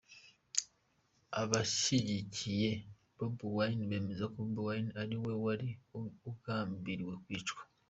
Abashyigikiye Bobi Wine bemeza ko Bobi Wine ari we wari ugambiriwe kwicwa.